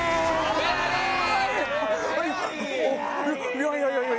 いやいやいやいや。